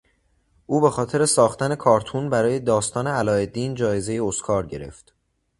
او به خاطر ساختن کارتون برای داستان علاالدین جایزهی اسکار گرفت.